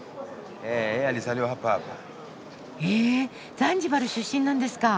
ザンジバル出身なんですか！